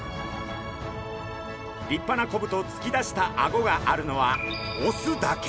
立派なコブとつき出したアゴがあるのはオスだけ！